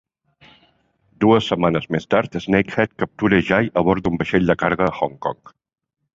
Dues setmanes més tard, Snakehead capture Jai a bord d'un vaixell de carga a Hong Kong.